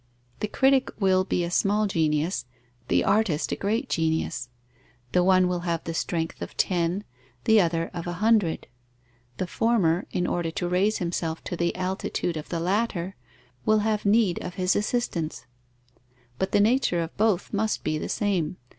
The critic will be a small genius, the artist a great genius; the one will have the strength of ten, the other of a hundred; the former, in order to raise himself to the altitude of the latter, will have need of his assistance; but the nature of both must be the same.